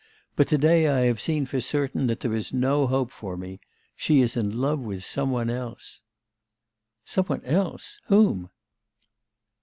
But to day I have seen for certain that there is no hope for me. She is in love with some one else.' 'Some one else? Whom?